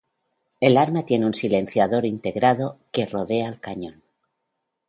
El arma tiene un silenciador integrado que rodea al cañón.